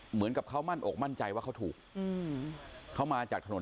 เหมือนกับเขามั่นอกมั่นใจว่าเขาถูกเขามาจากถนน